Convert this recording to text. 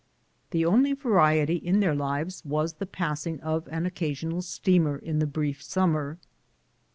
The only variety in tlieir lives was the passing of an occasional steamer in the brief summer.